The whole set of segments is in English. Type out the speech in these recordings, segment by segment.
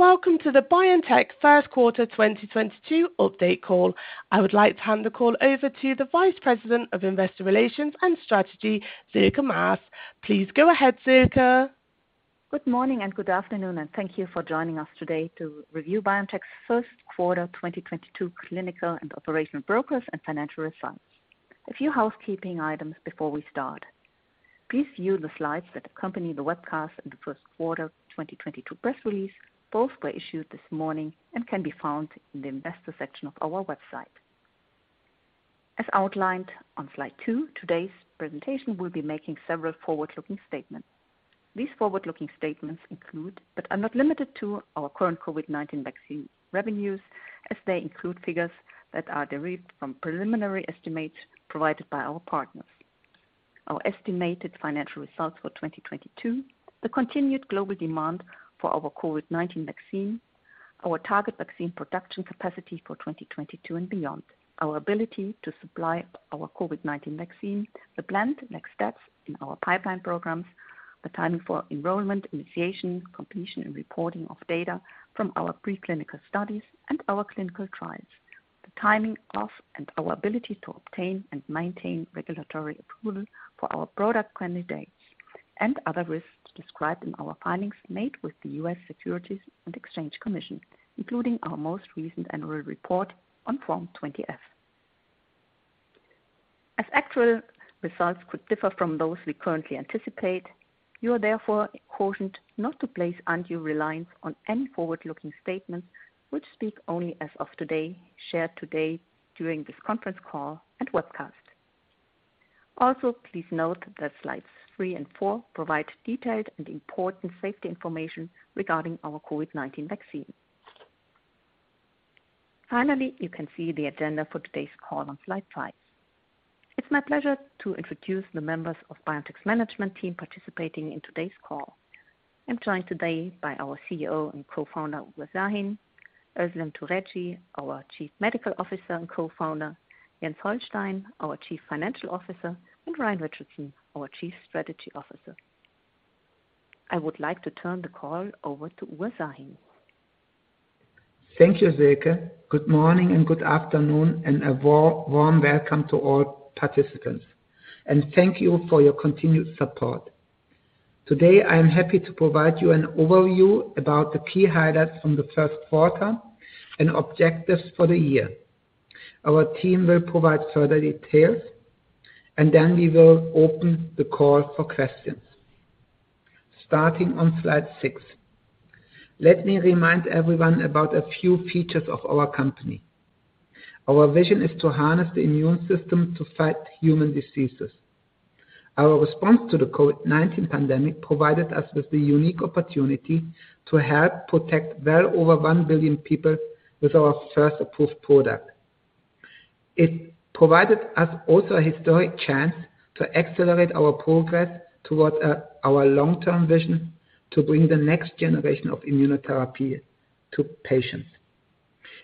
Welcome to the BioNTech first quarter 2022 update call. I would like to hand the call over to the Vice President of Investor Relations & Strategy, Sylke Maas. Please go ahead, Sylke. Good morning and good afternoon, and thank you for joining us today to review BioNTech's first quarter 2022 clinical and operational updates and financial results. A few housekeeping items before we start. Please view the slides that accompany the webcast in the first quarter 2022 press release. Both were issued this morning and can be found in the Investor section of our website. As outlined on slide two, today's presentation will be making several forward-looking statements. These forward-looking statements include, but are not limited to, our current COVID-19 vaccine revenues, as they include figures that are derived from preliminary estimates provided by our partners. Our estimated financial results for 2022, the continued global demand for our COVID-19 vaccine, our target vaccine production capacity for 2022 and beyond. Our ability to supply our COVID-19 vaccine, the planned next steps in our pipeline programs, the timing for enrollment, initiation, completion, and reporting of data from our preclinical studies and our clinical trials. The timing of, and our ability to obtain and maintain regulatory approval for our product candidates. Other risks described in our filings made with the U.S. Securities and Exchange Commission, including our most recent annual report on Form 20-F. As actual results could differ from those we currently anticipate, you are therefore cautioned not to place undue reliance on any forward-looking statements which speak only as of today, shared today during this conference call and webcast. Also, please note that slides three and four provide detailed and important safety information regarding our COVID-19 vaccine. Finally, you can see the agenda for today's call on slide five. It's my pleasure to introduce the members of BioNTech's management team participating in today's call. I'm joined today by our CEO and Co-Founder, Ugur Sahin, Özlem Türeci, our Chief Medical Officer and Co-Founder, Jens Holstein, our Chief Financial Officer, and Ryan Richardson, our Chief Strategy Officer. I would like to turn the call over to Ugur Sahin. Thank you, Sylke. Good morning and good afternoon, and a warm welcome to all participants. Thank you for your continued support. Today, I am happy to provide you an overview about the key highlights from the first quarter and objectives for the year. Our team will provide further details, and then we will open the call for questions. Starting on slide six, let me remind everyone about a few features of our company. Our vision is to harness the immune system to fight human diseases. Our response to the COVID-19 pandemic provided us with the unique opportunity to help protect well over 1 billion people with our first approved product. It provided us also a historic chance to accelerate our progress towards our long-term vision to bring the next generation of immunotherapy to patients.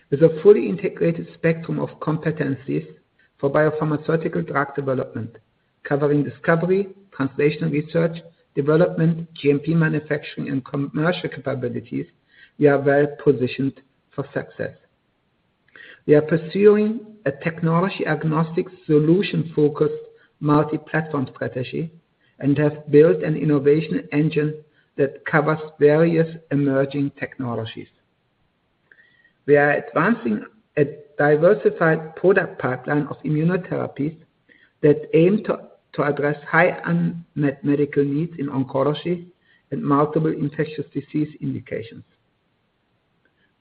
With a fully integrated spectrum of competencies for biopharmaceutical drug development, covering discovery, translational research, development, GMP manufacturing, and commercial capabilities, we are well-positioned for success. We are pursuing a technology agnostic, solution-focused, multi-platform strategy and have built an innovation engine that covers various emerging technologies. We are advancing a diversified product pipeline of immunotherapies that aim to address high unmet medical needs in oncology and multiple infectious disease indications.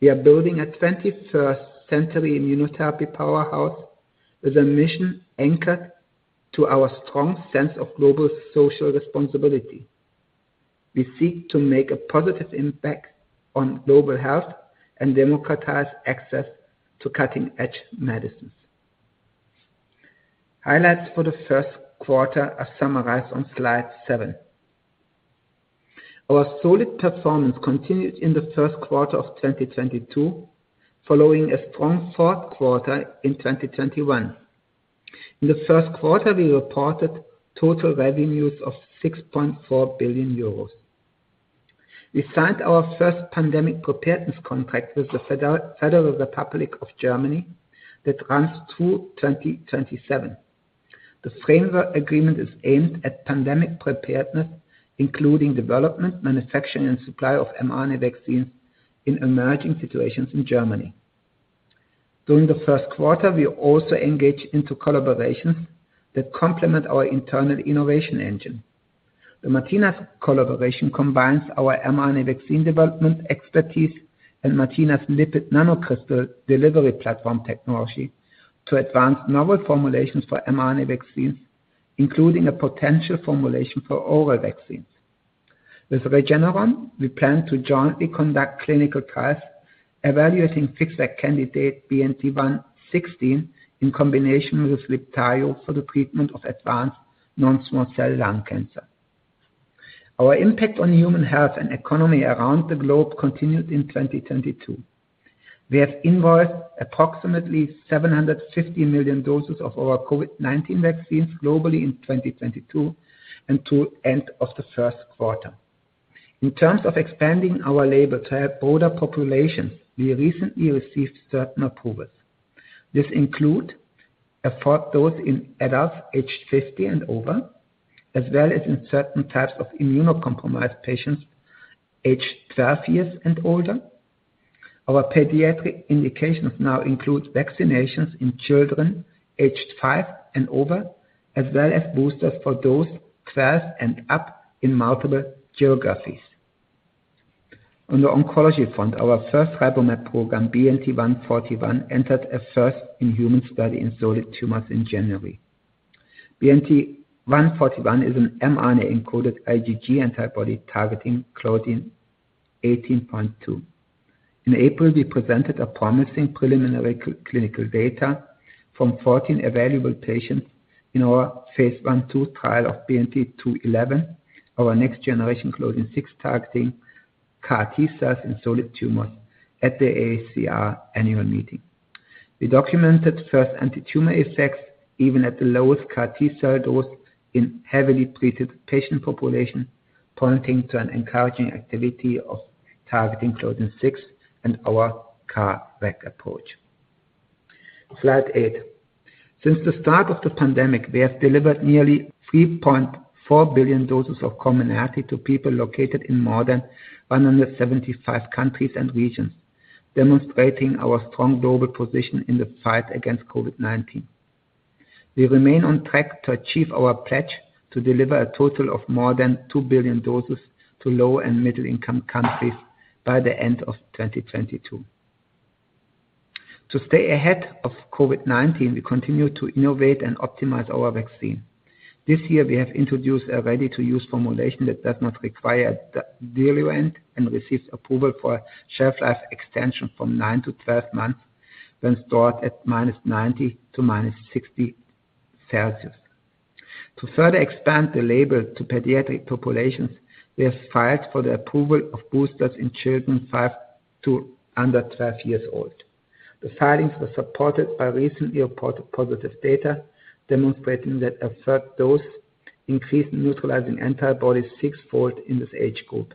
We are building a 21st century immunotherapy powerhouse with a mission anchored to our strong sense of global social responsibility. We seek to make a positive impact on global health and democratize access to cutting-edge medicines. Highlights for the first quarter are summarized on slide seven. Our solid performance continued in the first quarter of 2022, following a strong fourth quarter in 2021. In the first quarter, we reported total revenues of 6.4 billion euros. We signed our first Pandemic Preparedness contract with the Federal Republic of Germany that runs through 2027. This framework agreement is aimed at pandemic preparedness, including development, manufacturing, and supply of mRNA vaccine in emerging situations in Germany. During the first quarter, we also engaged in collaborations that complement our internal innovation engine. The Matinas collaboration combines our mRNA vaccine development expertise and Matinas lipid nanocrystal delivery platform technology to advance novel formulations for mRNA vaccines, including a potential formulation for oral vaccines. With Regeneron, we plan to jointly conduct clinical trials evaluating FixVac drug candidate BNT116 in combination with Libtayo for the treatment of advanced non-small cell lung cancer. Our impact on human health and economy around the globe continued in 2022. We have invoiced approximately 750 million doses of our COVID-19 vaccines globally in 2022 and to end of the first quarter. In terms of expanding our label to help older populations, we recently received certain approvals. This includes a fourth dose in adults aged 50 and over, as well as in certain types of immunocompromised patients aged 12 years and older. Our pediatric indications now include vaccinations in children aged five and over, as well as boosters for those 12 and up in multiple geographies. On the oncology front, our first RiboMab program, BNT141, entered a first-in-human study in solid tumors in January. BNT141 is an mRNA-encoded IgG antibody targeting Claudin-18.2. In April, we presented a promising preliminary clinical data from 14 evaluable patients in our phase I/II trial of BNT211, our next-generation Claudin-6 targeting CAR T cells in solid tumors at the AACR Annual Meeting. We documented first antitumor effects even at the lowest CAR T cell dose in heavily treated patient population, pointing to an encouraging activity of targeting Claudin-6 and our CARVac approach. Slide eight. Since the start of the pandemic, we have delivered nearly 3.4 billion doses of COMIRNATY to people located in more than 175 countries and regions, demonstrating our strong global position in the fight against COVID-19. We remain on track to achieve our pledge to deliver a total of more than 2 billion doses to low and middle-income countries by the end of 2022. To stay ahead of COVID-19, we continue to innovate and optimize our vaccine. This year we have introduced a ready-to-use formulation that does not require diluent and receives approval for shelf-life extension from nine to 12 months when stored at -90 Celsius to -60 Celsius. To further expand the label to pediatric populations, we have filed for the approval of boosters in children five to under 12 years old. The filings were supported by recently reported positive data demonstrating that a third dose increased neutralizing antibodies six-fold in this age group.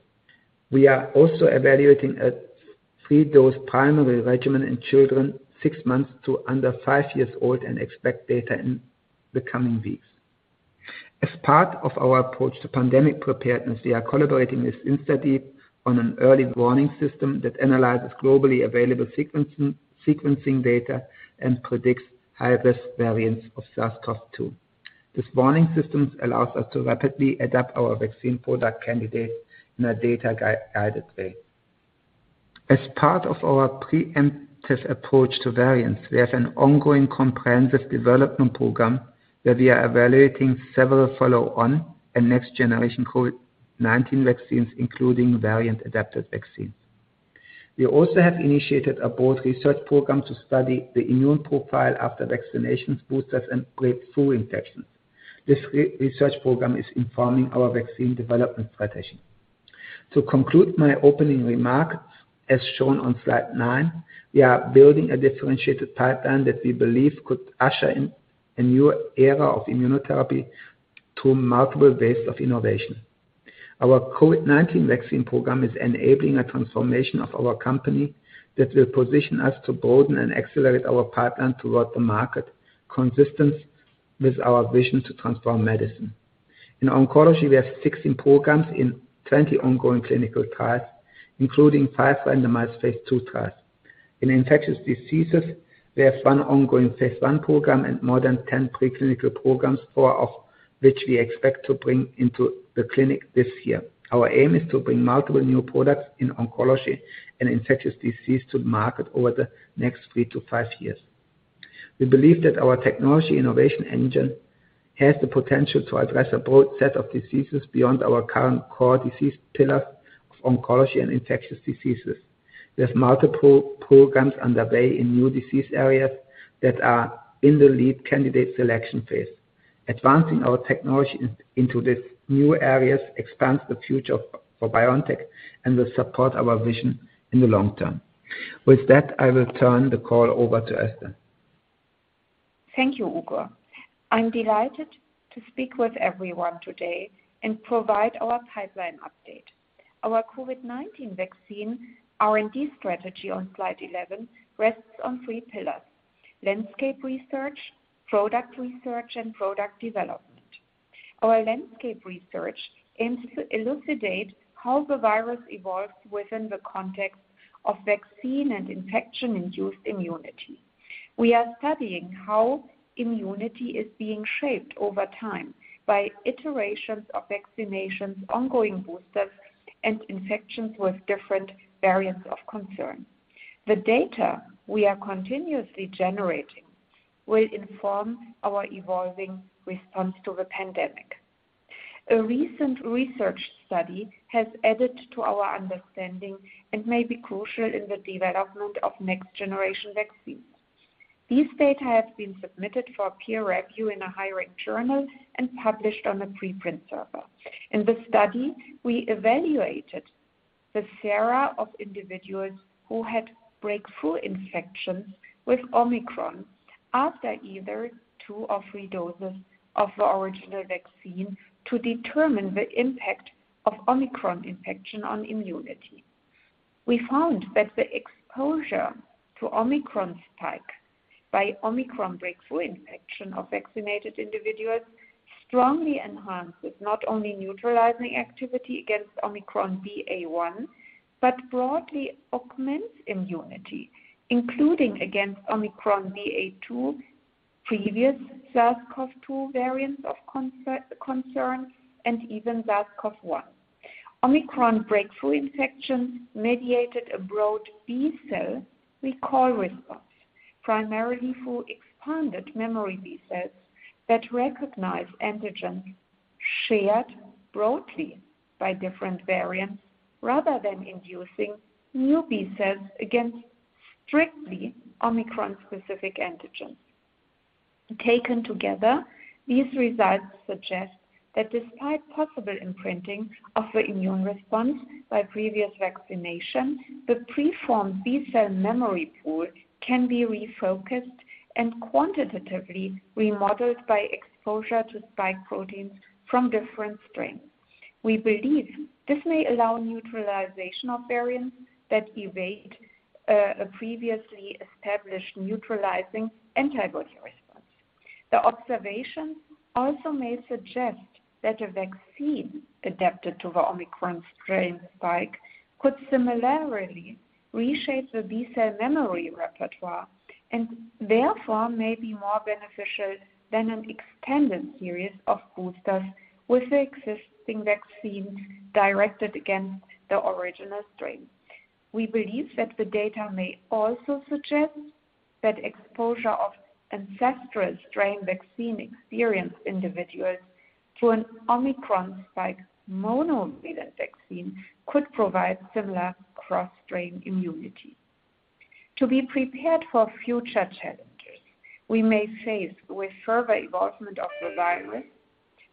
We are also evaluating a three-dose primary regimen in children six months to under five years old and expect data in the coming weeks. As part of our approach to pandemic preparedness, we are collaborating with InstaDeep on an early warning system that analyzes globally available sequencing data and predicts high-risk variants of SARS-CoV-2. This warning system allows us to rapidly adapt our vaccine product candidates in a data-guided way. As part of our preemptive approach to variants, we have an ongoing comprehensive development program where we are evaluating several follow-on and next-generation COVID-19 vaccines, including variant-adapted vaccines. We also have initiated a broad research program to study the immune profile after vaccinations, boosters and breakthrough infections. This research program is informing our vaccine development strategy. To conclude my opening remarks, as shown on slide nine, we are building a differentiated pipeline that we believe could usher in a new era of immunotherapy through multiple waves of innovation. Our COVID-19 vaccine program is enabling a transformation of our company that will position us to broaden and accelerate our pipeline toward the market, consistent with our vision to transform medicine. In oncology, we have 16 programs in 20 ongoing clinical trials, including five randomized phase II trials. In infectious diseases, we have one ongoing phase I program and more than 10 pre-clinical programs, four of which we expect to bring into the clinic this year. Our aim is to bring multiple new products in oncology and infectious disease to market over the next three to five years. We believe that our technology innovation engine has the potential to address a broad set of diseases beyond our current core disease pillars of oncology and infectious diseases. There's multiple programs underway in new disease areas that are in the lead candidate selection phase. Advancing our technology into these new areas expands the future for BioNTech and will support our vision in the long term. With that, I will turn the call over to Özlem. Thank you, Ugur. I'm delighted to speak with everyone today and provide our pipeline update. Our COVID-19 vaccine R&D strategy on slide 11 rests on three pillars: landscape research, product research, and product development. Our landscape research aims to elucidate how the virus evolves within the context of vaccine and infection-induced immunity. We are studying how immunity is being shaped over time by iterations of vaccinations, ongoing boosters, and infections with different variants of concern. The data we are continuously generating will inform our evolving response to the pandemic. A recent research study has added to our understanding and may be crucial in the development of next-generation vaccines. These data have been submitted for peer review in a high-ranked journal and published on a preprint server. In the study, we evaluated the sera of individuals who had breakthrough infections with Omicron after either two or three doses of the original vaccine to determine the impact of Omicron infection on immunity. We found that the exposure to Omicron spike by Omicron breakthrough infection of vaccinated individuals strongly enhances not only neutralizing activity against Omicron BA.1, but broadly augments immunity, including against Omicron BA.2, previous SARS-CoV-2 variants of concern, and even SARS-CoV-1. Omicron breakthrough infection mediated a broad B cell recall response, primarily through expanded memory B cells that recognize antigens shared broadly by different variants rather than inducing new B cells against strictly Omicron-specific antigens. Taken together, these results suggest that despite possible imprinting of the immune response by previous vaccination, the preformed B cell memory pool can be refocused and quantitatively remodeled by exposure to spike proteins from different strains. We believe this may allow neutralization of variants that evade a previously established neutralizing antibody response. The observation also may suggest that a vaccine adapted to the Omicron strain spike could similarly reshape the B cell memory repertoire and therefore may be more beneficial than an extended series of boosters with the existing vaccine directed against the original strain. We believe that the data may also suggest that exposure of ancestral strain vaccine-experienced individuals to an Omicron spike monovalent vaccine could provide similar cross-strain immunity. To be prepared for future challenges we may face with further involvement of the virus,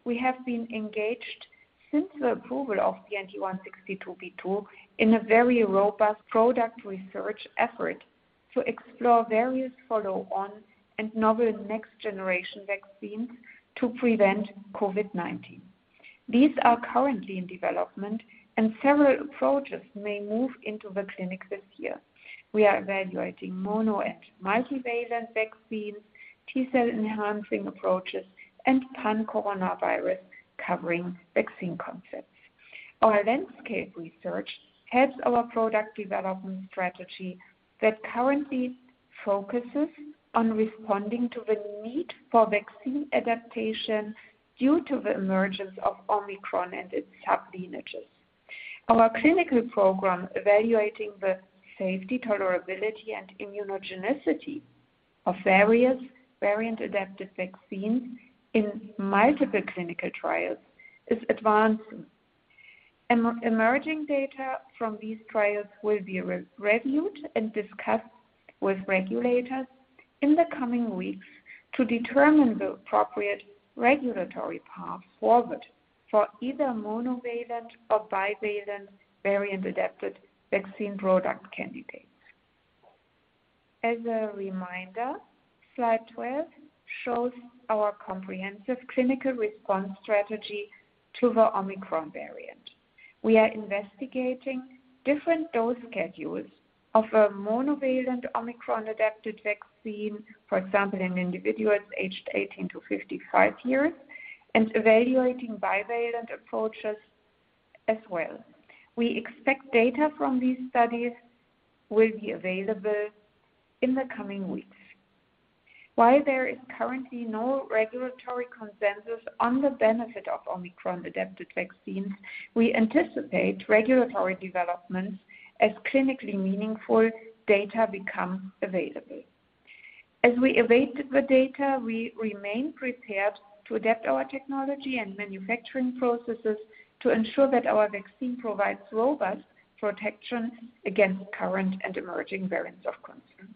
we have been engaged since the approval of the BNT162b2 in a very robust product research effort to explore various follow-on and novel next generation vaccines to prevent COVID-19. These are currently in development and several approaches may move into the clinic this year. We are evaluating mono and multivalent vaccines, T-cell enhancing approaches, and pan-coronavirus covering vaccine concepts. Our landscape research helps our product development strategy that currently focuses on responding to the need for vaccine adaptation due to the emergence of Omicron and its sublineages. Our clinical program evaluating the safety, tolerability, and immunogenicity of various variant-adapted vaccines in multiple clinical trials is advancing. Emerging data from these trials will be re-reviewed and discussed with regulators in the coming weeks to determine the appropriate regulatory path forward for either monovalent or bivalent variant-adapted vaccine product candidates. As a reminder, slide 12 shows our comprehensive clinical response strategy to the Omicron variant. We are investigating different dose schedules of a monovalent Omicron-adapted vaccine, for example, in individuals aged 18-55 years, and evaluating bivalent approaches as well. We expect data from these studies will be available in the coming weeks. While there is currently no regulatory consensus on the benefit of Omicron-adapted vaccines, we anticipate regulatory developments as clinically meaningful data becomes available. As we await the data, we remain prepared to adapt our technology and manufacturing processes to ensure that our vaccine provides robust protection against current and emerging variants of concern.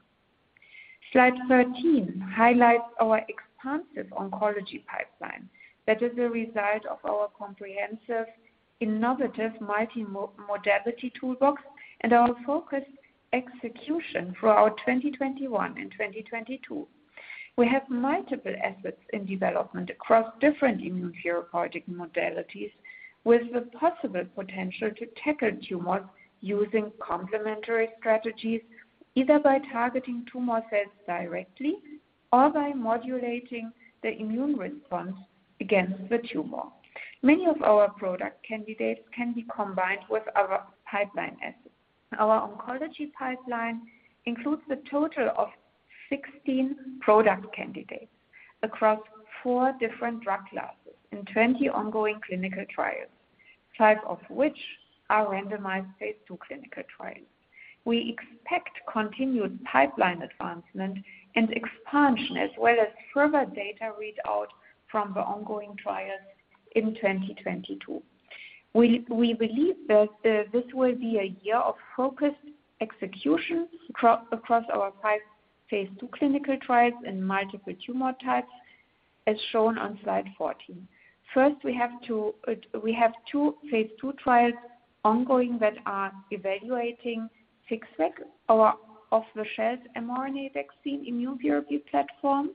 Slide 13 highlights our expansive oncology pipeline that is a result of our comprehensive, innovative multi-modality toolbox and our focused execution throughout 2021 and 2022. We have multiple assets in development across different immunotherapeutic modalities with the possible potential to tackle tumors using complementary strategies, either by targeting tumor cells directly or by modulating the immune response against the tumor. Many of our product candidates can be combined with our pipeline assets. Our oncology pipeline includes a total of 16 product candidates across four different drug classes in 20 ongoing clinical trials, five of which are randomized phase II clinical trials. We expect continued pipeline advancement and expansion as well as further data read out from the ongoing trials in 2022. We believe that this will be a year of focused execution across our five phase II clinical trials in multiple tumor types, as shown on slide 14. First, we have two phase II trials ongoing that are evaluating FixVac, our off-the-shelf mRNA vaccine immunotherapy platform.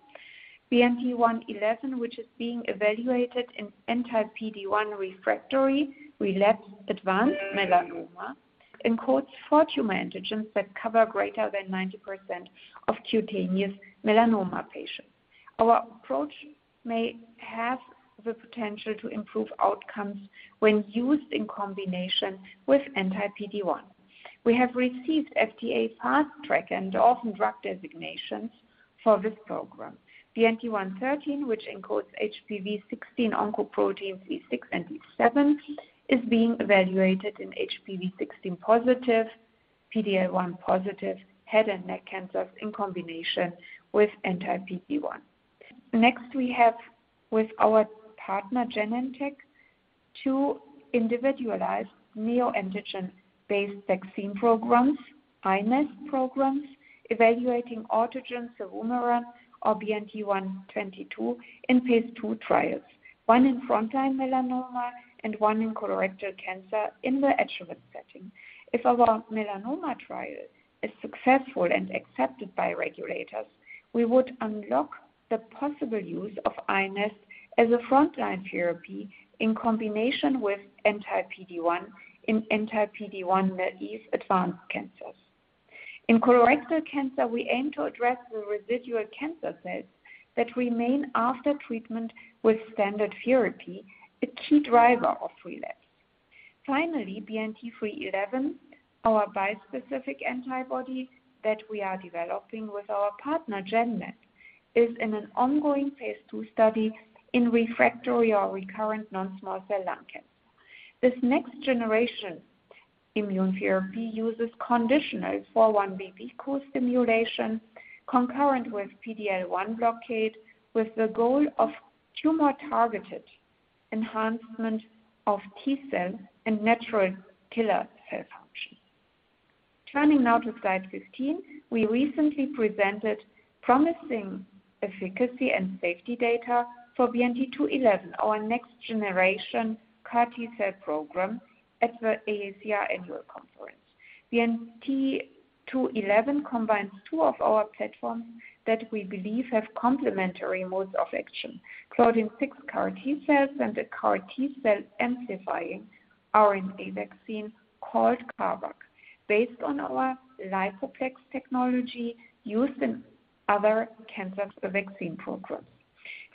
BNT111, which is being evaluated in anti-PD-1 refractory relapsed advanced melanoma, encodes four tumor antigens that cover greater than 90% of cutaneous melanoma patients. Our approach may have the potential to improve outcomes when used in combination with anti-PD-1. We have received FDA Fast Track and Orphan Drug designations for this program. BNT113, which encodes HPV16 oncoproteins E6 and E7, is being evaluated in HPV16-positive, PD-L1-positive head and neck cancers in combination with anti-PD-1. Next, we have with our partner, Genentech, two individualized neoantigen-based vaccine programs, iNeST programs, evaluating autogene cevumeran or BNT122 in phase II trials, one in frontline melanoma and one in colorectal cancer in the adjuvant setting. If our melanoma trial is successful and accepted by regulators, we would unlock the possible use of iNeST as a frontline therapy in combination with anti-PD-1 in anti-PD-1 naive advanced cancers. In colorectal cancer, we aim to address the residual cancer cells that remain after treatment with standard therapy, a key driver of relapse. Finally, BNT311, our bispecific antibody that we are developing with our partner Genmab, is in an ongoing phase two study in refractory or recurrent non-small cell lung cancer. This next generation immunotherapy uses conditional 4-1BB co-stimulation concurrent with PD-L1 blockade, with the goal of tumor-targeted enhancement of T-cell and natural killer cell function. Turning now to slide 15, we recently presented promising efficacy and safety data for BNT211, our next generation CAR T-cell program at the AACR Annual Conference. BNT211 combines two of our platforms that we believe have complementary modes of action, Claudin-6 CAR T-cells and a CAR T-cell amplifying RNA vaccine called CARVac, based on our Lipofect technology used in other cancer vaccine programs.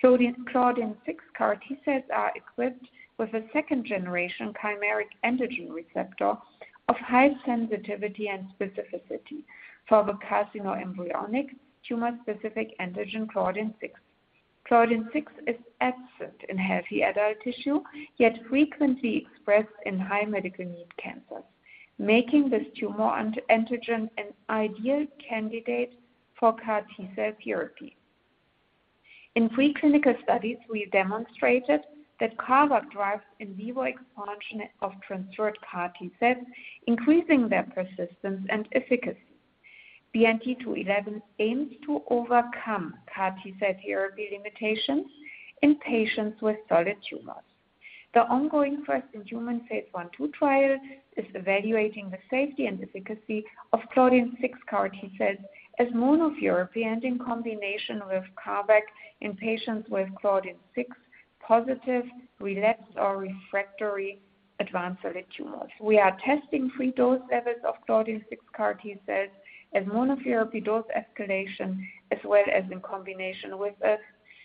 Claudin-6 CAR T-cells are equipped with a second generation chimeric antigen receptor of high sensitivity and specificity for the carcinoembryonic tumor-specific antigen Claudin-6. Claudin-6 is absent in healthy adult tissue, yet frequently expressed in high medical need cancers, making this tumor antigen an ideal candidate for CAR T-cell therapy. In preclinical studies, we demonstrated that CARVac drives in vivo expansion of transferred CAR T-cells, increasing their persistence and efficacy. BNT211 aims to overcome CAR T-cell therapy limitations in patients with solid tumors. The ongoing first-in-human phase I/II trial is evaluating the safety and efficacy of Claudin-6 CAR T-cells as monotherapy and in combination with CARVac in patients with Claudin-6-positive relapse or refractory advanced solid tumors. We are testing three dose levels of Claudin-6 CAR T-cells as monotherapy dose escalation, as well as in combination with a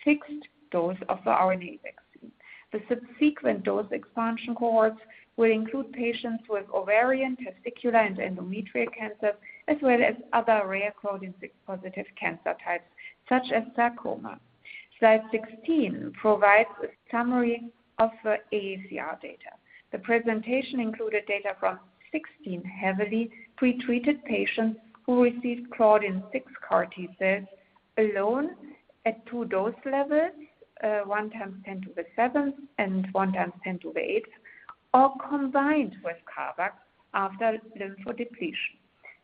fixed dose of the RNA vaccine. The subsequent dose expansion cohorts will include patients with ovarian, testicular and endometrial cancer, as well as other rare Claudin-6-positive cancer types such as sarcoma. Slide 16 provides a summary of the AACR data. The presentation included data from 16 heavily pretreated patients who received Claudin-6 CAR-T cells alone at two dose levels, 1 × 10^7 and 1 × 10^8, all combined with CARVac after lymphodepletion.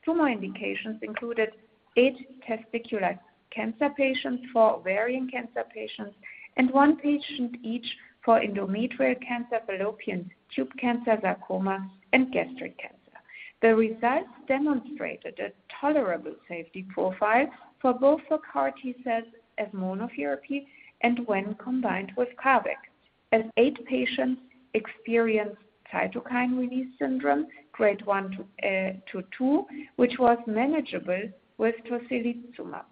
Tumor indications included eight testicular cancer patients, four ovarian cancer patients, and one patient each for endometrial cancer, fallopian tube cancer, sarcoma, and gastric cancer. The results demonstrated a tolerable safety profile for both the CAR-T cells as monotherapy and when combined with CARVac. Eight patients experienced cytokine release syndrome grade one to two, which was manageable with tocilizumab,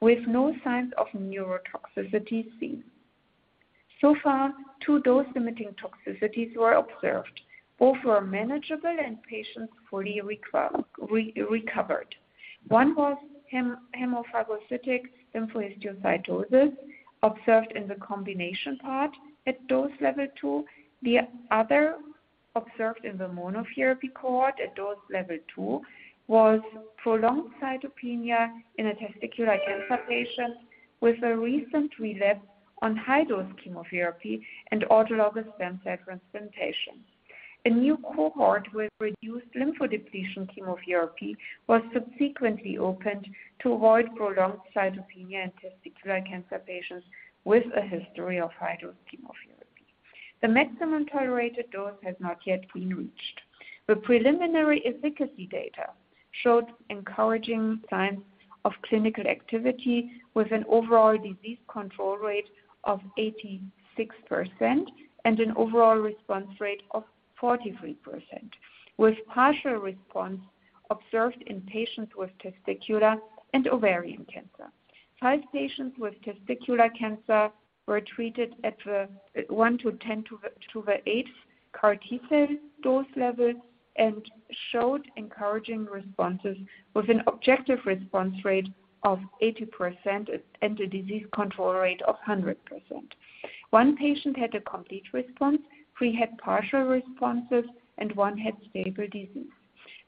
with no signs of neurotoxicity seen. So far, two dose-limiting toxicities were observed. Both were manageable and patients fully recovered. One was hemophagocytic lymphohistiocytosis observed in the combination part at dose level two. The other observed in the monotherapy cohort at dose level two was prolonged cytopenia in a testicular cancer patient with a recent relapse on high dose chemotherapy and autologous stem cell transplantation. A new cohort with reduced lymphodepletion chemotherapy was subsequently opened to avoid prolonged cytopenia in testicular cancer patients with a history of high dose chemotherapy. The maximum tolerated dose has not yet been reached. The preliminary efficacy data showed encouraging signs of clinical activity with an overall disease control rate of 86% and an overall response rate of 43%, with partial response observed in patients with testicular and ovarian cancer. Five patients with testicular cancer were treated at the one to 10 to the eight CAR T cell dose level and showed encouraging responses with an objective response rate of 80% and a disease control rate of 100%. One patient had a complete response, three had partial responses, and one had stable disease.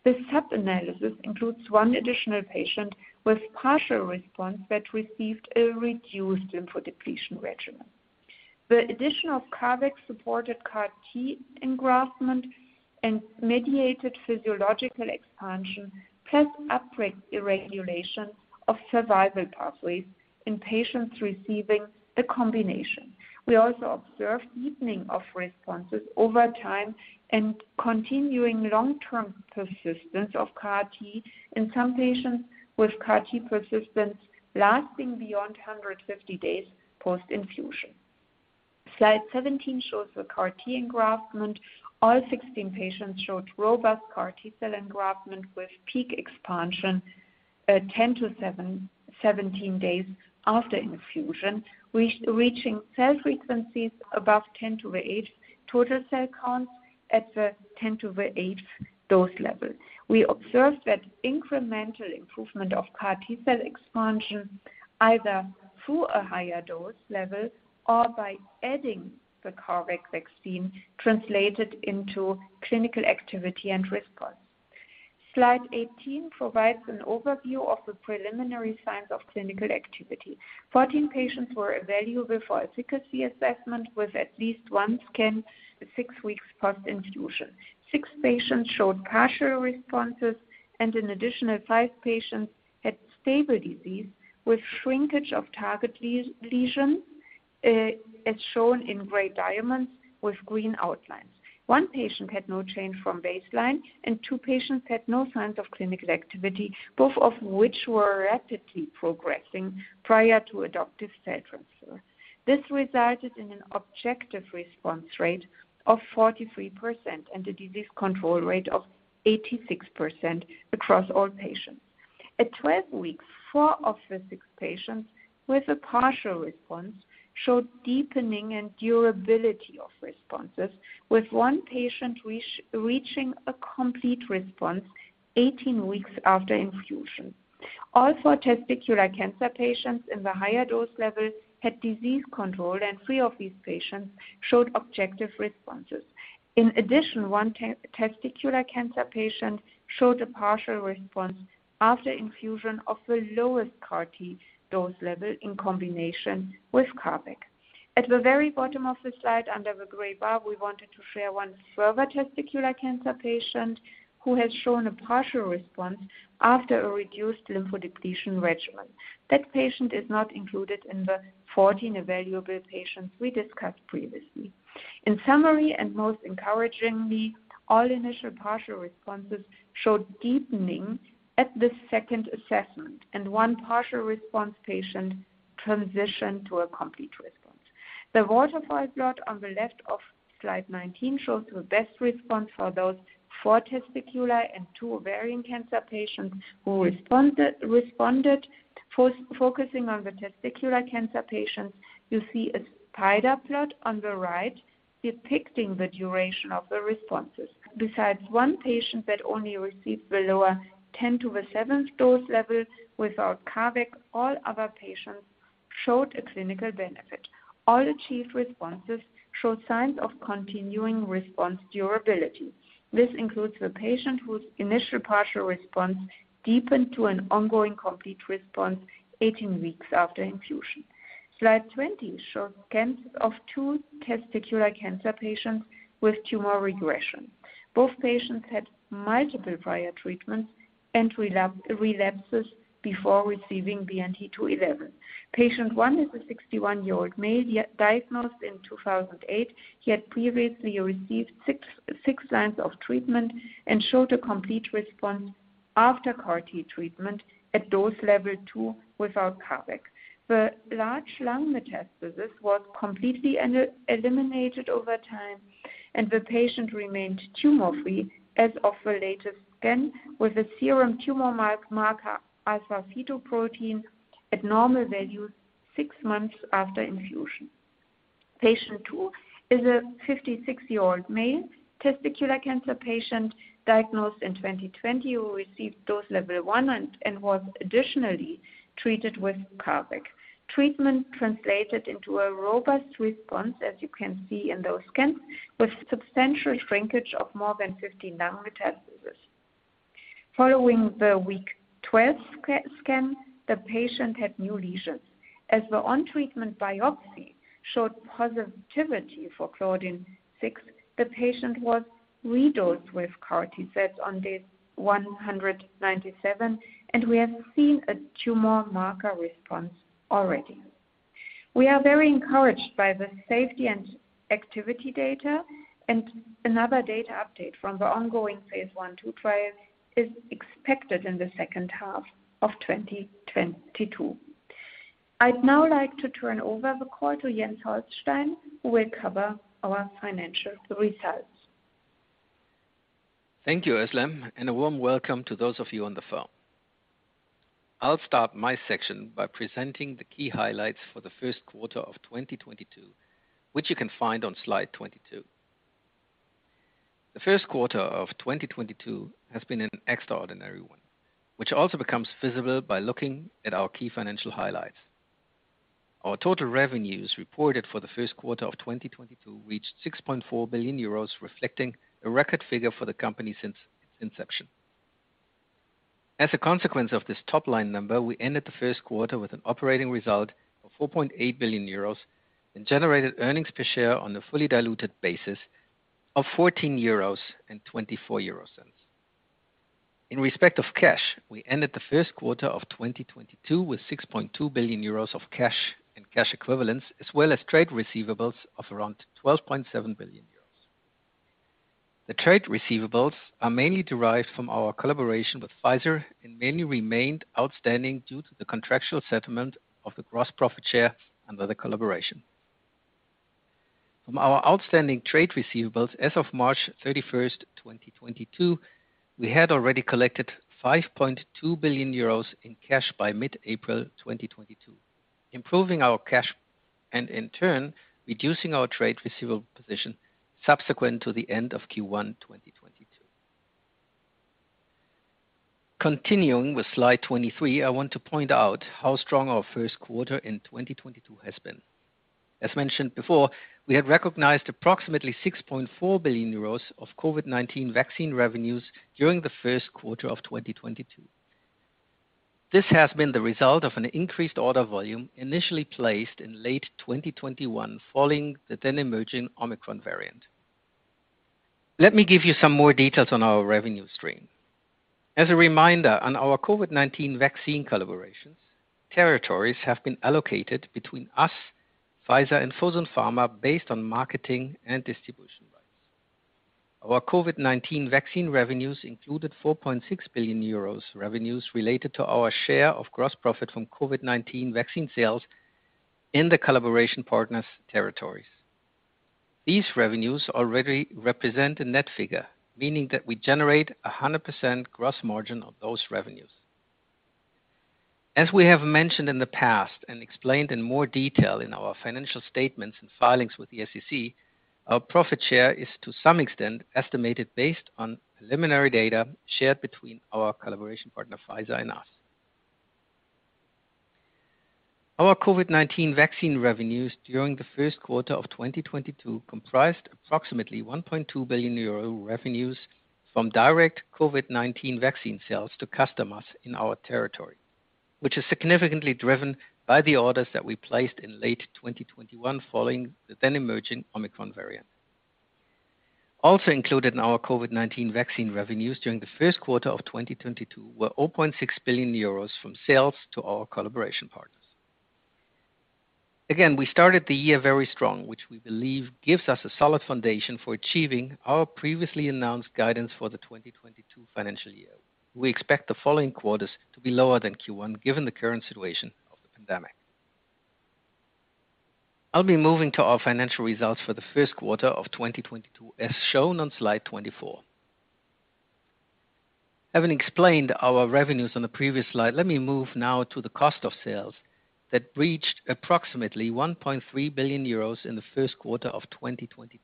This sub-analysis includes one additional patient with partial response that received a reduced lymphodepletion regimen. The addition of CARVac supported CAR T engraftment and mediated physiological expansion plus upregulation of survival pathways in patients receiving the combination. We also observed deepening of responses over time and continuing long-term persistence of CAR T in some patients with CAR T persistence lasting beyond 150 days post-infusion. Slide 17 shows the CAR T engraftment. All 16 patients showed robust CAR T cell engraftment with peak expansion, 17 days after infusion, reaching cell frequencies above 10^8 total cell count at the 10^8 dose level. We observed that incremental improvement of CAR T cell expansion, either through a higher dose level or by adding the CARVac vaccine, translated into clinical activity and response. Slide 18 provides an overview of the preliminary signs of clinical activity. 14 patients were evaluable for efficacy assessment with at least one scan six weeks post-infusion. Six patients showed partial responses, and an additional five patients had stable disease with shrinkage of target lesion, as shown in gray diamonds with green outlines. One patient had no change from baseline, and two patients had no signs of clinical activity, both of which were rapidly progressing prior to adoptive cell transfer. This resulted in an objective response rate of 43% and a disease control rate of 86% across all patients. At 12 weeks, four of the six patients with a partial response showed deepening and durability of responses, with one patient reaching a complete response 18 weeks after infusion. All four testicular cancer patients in the higher dose levels had disease control, and three of these patients showed objective responses. In addition, one testicular cancer patient showed a partial response after infusion of the lowest CAR T dose level in combination with CARVAC. At the very bottom of the slide, under the gray bar, we wanted to share one further testicular cancer patient who has shown a partial response after a reduced lymphodepletion regimen. That patient is not included in the 14 evaluable patients we discussed previously. In summary, and most encouragingly, all initial partial responses showed deepening at the second assessment, and one partial response patient transitioned to a complete response. The waterfall plot on the left of slide 19 shows the best response for those four testicular and two ovarian cancer patients who responded. Focusing on the testicular cancer patients, you see a spider plot on the right depicting the duration of the responses. Besides one patient that only received the lower 10^7 dose level without CARVac, all other patients showed a clinical benefit. All achieved responses showed signs of continuing response durability. This includes the patient whose initial partial response deepened to an ongoing complete response 18 weeks after infusion. Slide 20 shows scans of two testicular cancer patients with tumor regression. Both patients had multiple prior treatments and relapses before receiving BNT211. Patient one is a 61-year-old male, he was diagnosed in 2008. He had previously received six lines of treatment and showed a complete response after CAR T treatment at dose level two without CARVac. The large lung metastasis was completely eliminated over time, and the patient remained tumor-free as of the latest scan, with a serum tumor marker alpha-fetoprotein at normal values six months after infusion. Patient two is a 56-year-old male testicular cancer patient diagnosed in 2020, who received dose level one and was additionally treated with CARVac. Treatment translated into a robust response, as you can see in those scans, with substantial shrinkage of more than 50 lung metastases. Following the week 12 scan, the patient had new lesions. As the on-treatment biopsy showed positivity for Claudin-6, the patient was redosed with CAR T cells on day 197, and we have seen a tumor marker response already. We are very encouraged by the safety and activity data and another data update from the ongoing phase I/II trial is expected in the second half of 2022. I'd now like to turn over the call to Jens Holstein who will cover our financial results. Thank you, Özlem, and a warm welcome to those of you on the phone. I'll start my section by presenting the key highlights for the first quarter of 2022, which you can find on slide 22. The first quarter of 2022 has been an extraordinary one, which also becomes visible by looking at our key financial highlights. Our total revenues reported for the first quarter of 2022 reached 6.4 billion euros, reflecting a record figure for the company since inception. As a consequence of this top-line number, we ended the first quarter with an operating result of 4.8 billion euros and generated earnings per share on a fully diluted basis of 14.24 euros. In respect of cash, we ended the first quarter of 2022 with 6.2 billion euros of cash and cash equivalents, as well as trade receivables of around 12.7 billion euros. The trade receivables are mainly derived from our collaboration with Pfizer and mainly remained outstanding due to the contractual settlement of the gross profit share under the collaboration. From our outstanding trade receivables as of March 31, 2022, we had already collected 5.2 billion euros in cash by mid-April 2022, improving our cash and in turn, reducing our trade receivable position subsequent to the end of Q1 2022. Continuing with slide 23, I want to point out how strong our first quarter in 2022 has been. As mentioned before, we had recognized approximately 6.4 billion euros of COVID-19 vaccine revenues during the first quarter of 2022. This has been the result of an increased order volume initially placed in late 2021 following the then emerging Omicron variant. Let me give you some more details on our revenue stream. As a reminder, on our COVID-19 vaccine collaborations, territories have been allocated between us, Pfizer and Fosun Pharma based on marketing and distribution rights. Our COVID-19 vaccine revenues included 4.6 billion euros revenues related to our share of gross profit from COVID-19 vaccine sales in the collaboration partners' territories. These revenues already represent a net figure, meaning that we generate 100% gross margin of those revenues. As we have mentioned in the past and explained in more detail in our financial statements and filings with the SEC, our profit share is to some extent estimated based on preliminary data shared between our collaboration partner, Pfizer and us. Our COVID-19 vaccine revenues during the first quarter of 2022 comprised approximately 1.2 billion euro revenues from direct COVID-19 vaccine sales to customers in our territory, which is significantly driven by the orders that we placed in late 2021 following the then emerging Omicron variant. Also included in our COVID-19 vaccine revenues during the first quarter of 2022 were 0.6 billion euros from sales to our collaboration partners. Again, we started the year very strong, which we believe gives us a solid foundation for achieving our previously announced guidance for the 2022 financial year. We expect the following quarters to be lower than Q1, given the current situation of the pandemic. I'll be moving to our financial results for the first quarter of 2022, as shown on slide 24. Having explained our revenues on the previous slide, let me move now to the cost of sales that reached approximately 1.3 billion euros in the first quarter of 2022,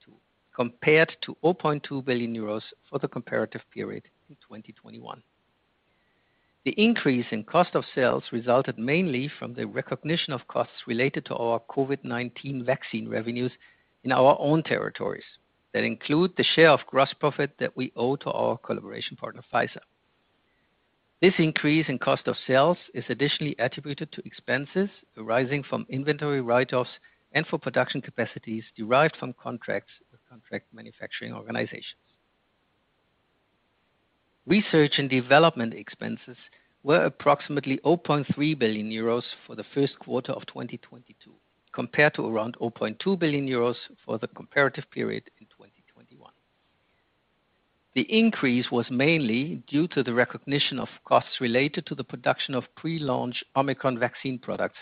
compared to 0.2 billion euros for the comparative period in 2021. The increase in cost of sales resulted mainly from the recognition of costs related to our COVID-19 vaccine revenues in our own territories. That include the share of gross profit that we owe to our collaboration partner, Pfizer. This increase in cost of sales is additionally attributed to expenses arising from inventory write-offs and for production capacities derived from contracts with contract manufacturing organizations. Research and development expenses were approximately 0.3 billion euros for the first quarter of 2022, compared to around 0.2 billion euros for the comparative period in 2021. The increase was mainly due to the recognition of costs related to the production of pre-launch Omicron vaccine products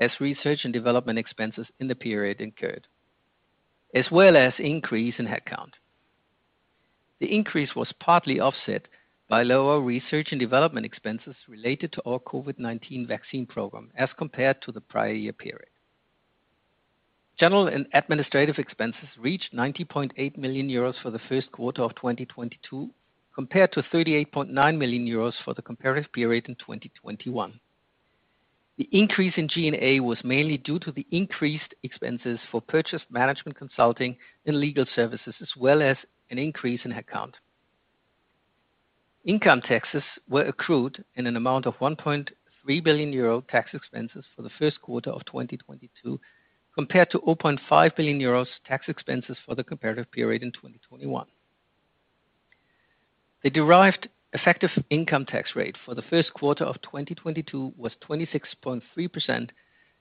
as research and development expenses in the period incurred, as well as increase in headcount. The increase was partly offset by lower research and development expenses related to our COVID-19 vaccine program as compared to the prior year period. General and administrative expenses reached 90.8 million euros for the first quarter of 2022, compared to 38.9 million euros for the comparative period in 2021. The increase in G&A was mainly due to the increased expenses for purchasing, management consulting, and legal services, as well as an increase in headcount. Income taxes were accrued in an amount of 1.3 billion euro tax expenses for the first quarter of 2022, compared to 0.5 billion euros tax expenses for the comparative period in 2021. The derived effective income tax rate for the first quarter of 2022 was 26.3%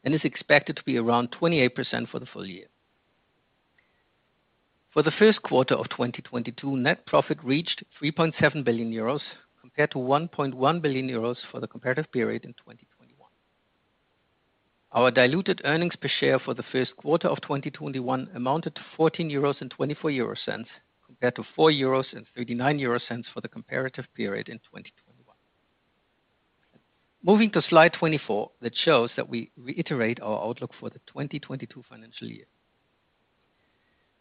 and is expected to be around 28% for the full year. For the first quarter of 2022, net profit reached 3.7 billion euros compared to 1.1 billion euros for the comparative period in 2021. Our diluted earnings per share for the first quarter of 2022 amounted to 14.24 euros compared to 4.39 euros for the comparative period in 2021. Moving to slide 24, that shows that we reiterate our outlook for the 2022 financial year.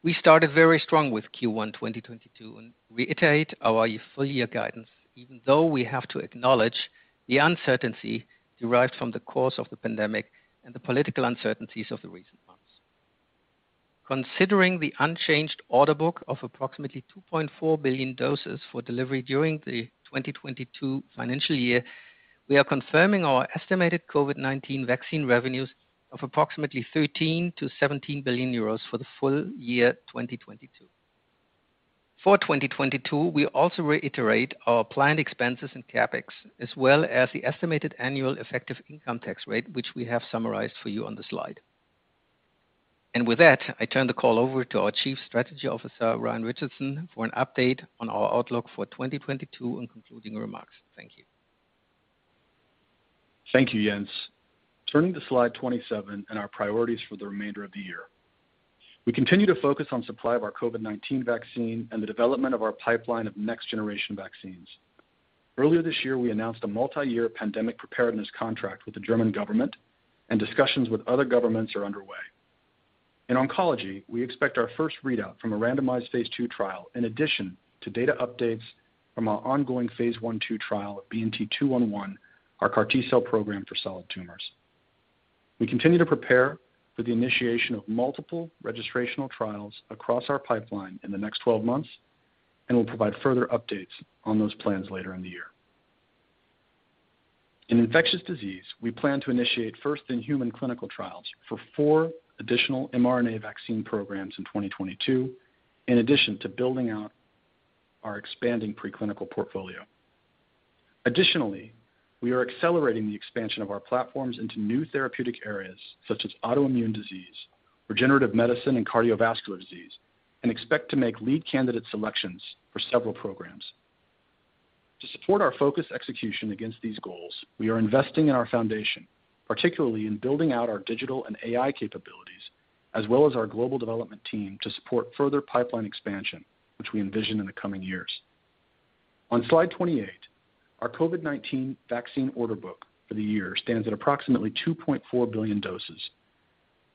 We started very strong with Q1 2022 and reiterate our full year guidance, even though we have to acknowledge the uncertainty derived from the course of the pandemic and the political uncertainties of the recent months. Considering the unchanged order book of approximately 2.4 billion doses for delivery during the 2022 financial year, we are confirming our estimated COVID-19 vaccine revenues of approximately 13 billion-17 billion euros for the full year 2022. For 2022, we also reiterate our planned expenses and CapEx, as well as the estimated annual effective income tax rate, which we have summarized for you on the slide. With that, I turn the call over to our Chief Strategy Officer, Ryan Richardson, for an update on our outlook for 2022 and concluding remarks. Thank you. Thank you, Jens. Turning to slide 27 and our priorities for the remainder of the year. We continue to focus on supply of our COVID-19 vaccine and the development of our pipeline of next generation vaccines. Earlier this year, we announced a multi-year pandemic preparedness contract with the German government, and discussions with other governments are underway. In oncology, we expect our first readout from a randomized phase II trial in addition to data updates from our ongoing phase I/II trial at BNT211, our CAR T-cell program for solid tumors. We continue to prepare for the initiation of multiple registrational trials across our pipeline in the next 12 months, and we'll provide further updates on those plans later in the year. In infectious disease, we plan to initiate first-in-human clinical trials for four additional mRNA vaccine programs in 2022, in addition to building out our expanding preclinical portfolio. Additionally, we are accelerating the expansion of our platforms into new therapeutic areas such as autoimmune disease, regenerative medicine, and cardiovascular disease, and expect to make lead candidate selections for several programs. To support our focus execution against these goals, we are investing in our foundation, particularly in building out our digital and AI capabilities, as well as our global development team to support further pipeline expansion, which we envision in the coming years. On slide 28, our COVID-19 vaccine order book for the year stands at approximately 2.4 billion doses,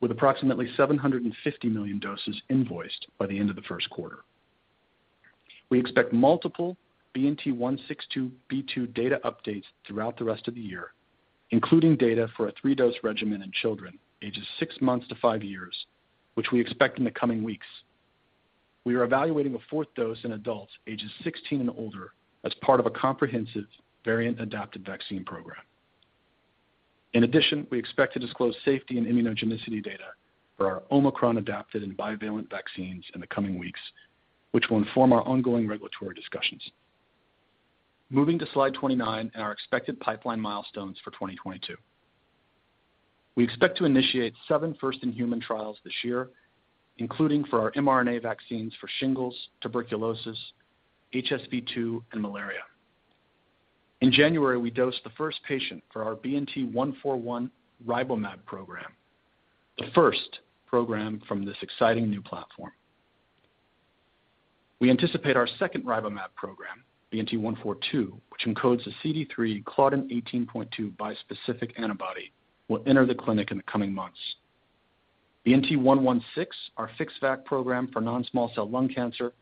with approximately 750 million doses invoiced by the end of the first quarter. We expect multiple BNT162b2 data updates throughout the rest of the year, including data for a three-dose regimen in children ages six months to five years, which we expect in the coming weeks. We are evaluating a fourth dose in adults ages 16 and older as part of a comprehensive variant-adapted vaccine program. In addition, we expect to disclose safety and immunogenicity data for our Omicron-adapted and bivalent vaccines in the coming weeks, which will inform our ongoing regulatory discussions. Moving to slide 29 and our expected pipeline milestones for 2022. We expect to initiate seven first-in-human trials this year, including for our mRNA vaccines for shingles, tuberculosis, HSV2, and malaria. In January, we dosed the first patient for our BNT141 RiboMab program, the first program from this exciting new platform. We anticipate our second RiboMab program, BNT142, which encodes the CD3/Claudin-18.2 bispecific antibody, will enter the clinic in the coming months. BNT116, our FixVac program for non-small cell lung cancer,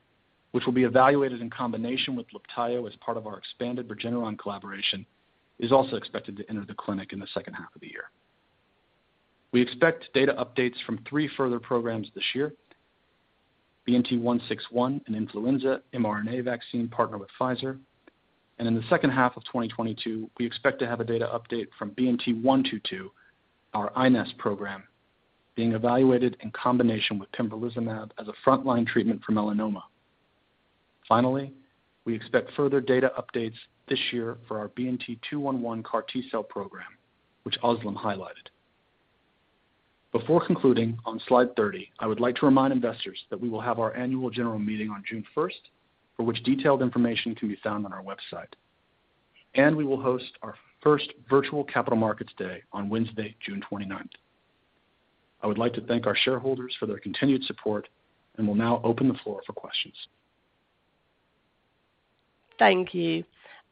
which will be evaluated in combination with Libtayo as part of our expanded Regeneron collaboration, is also expected to enter the clinic in the second half of the year. We expect data updates from three further programs this year. BNT161, an influenza mRNA vaccine partnered with Pfizer. In the second half of 2022, we expect to have a data update from BNT122, our iNeST program being evaluated in combination with pembrolizumab as a frontline treatment for melanoma. Finally, we expect further data updates this year for our BNT211 CAR T-cell program, which Özlem highlighted. Before concluding on slide 30, I would like to remind investors that we will have our Annual General Meeting on June 1st, for which detailed information can be found on our website. We will host our first virtual Capital Markets Day on Wednesday, June 29th. I would like to thank our shareholders for their continued support and will now open the floor for questions. Thank you.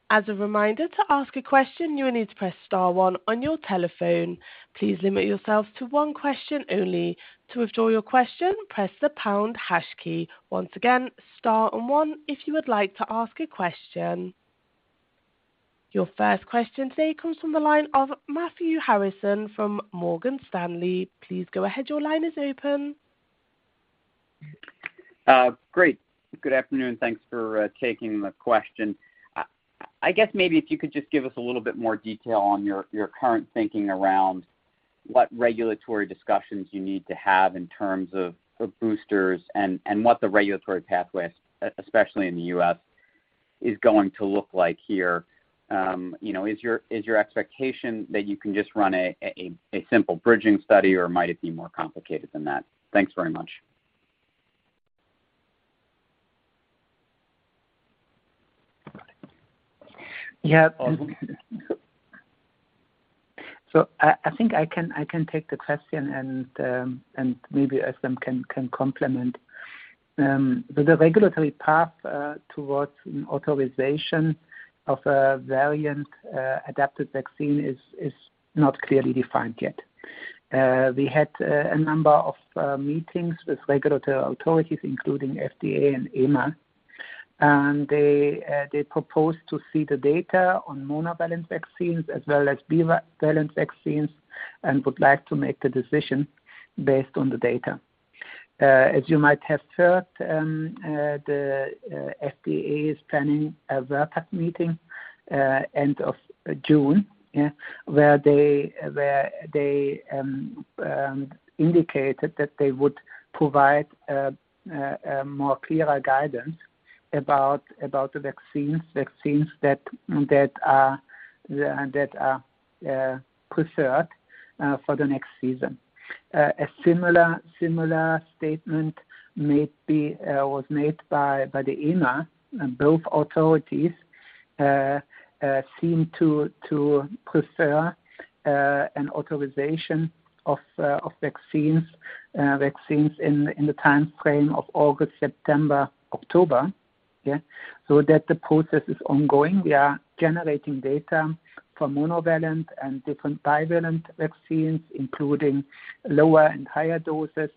As a reminder, to ask a question, you will need to press star one on your telephone. Please limit yourself to one question only. To withdraw your question, press the pound hash key. Once again, star and one if you would like to ask a question. Your first question today comes from the line of Matthew Harrison from Morgan Stanley. Please go ahead. Your line is open. Great. Good afternoon. Thanks for taking my question. I guess maybe if you could just give us a little bit more detail on your current thinking around what regulatory discussions you need to have in terms of boosters and what the regulatory pathway, especially in the U.S., is going to look like here. You know, is your expectation that you can just run a simple bridging study, or might it be more complicated than that? Thanks very much. Yeah. I think I can take the question and maybe Özlem can complement. The regulatory path towards authorization of a variant adapted vaccine is not clearly defined yet. We had a number of meetings with regulatory authorities, including FDA and EMA, and they proposed to see the data on monovalent vaccines as well as bivalent vaccines and would like to make the decision based on the data. As you might have heard, the FDA is planning a VRBPAC meeting end of June where they indicated that they would provide a more clearer guidance about the vaccines that are preferred for the next season. A similar statement was made by the EMA. Both authorities seem to prefer an authorization of vaccines in the time frame of August, September, October, so that the process is ongoing. We are generating data for monovalent and different bivalent vaccines, including lower and higher doses,